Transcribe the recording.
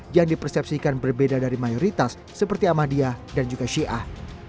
yang dipersepsikan berbeda dari mayoritas seperti ahmadiyah dan juga syiah